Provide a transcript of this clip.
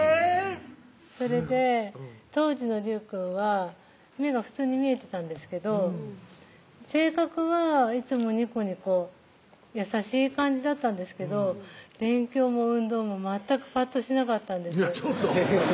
それで当時の隆くんは目が普通に見えてたんですけど性格はいつもにこにこ優しい感じだったんですけど勉強も運動も全くぱっとしなかったんですいやちょっと！